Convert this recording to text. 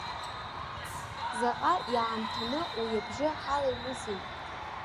Заҟа иаамҭаны уи абжьы ҳалаҩызеи!